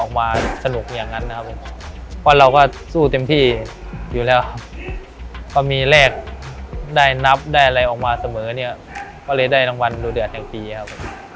ออกมาสนุกอย่างนั้นนะครับว่าเราก็สู้เต็มที่อยู่แล้วก็มีแรกได้นับได้อะไรออกมาเสมอเนี่ยก็เลยได้รางวัลโดดเดือดแห่งปีครับ